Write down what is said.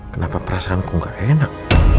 kenapa perasaanku gak enak